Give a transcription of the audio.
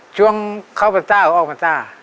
ช่วงเข้าพรรษาออกพรรษา